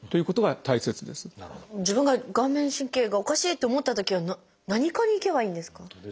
自分が顔面神経がおかしいって思ったときは何科に行けばいいんですか？